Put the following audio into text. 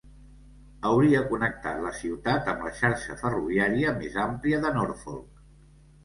Hauria connectat la ciutat amb la xarxa ferroviària més àmplia de Norfolk.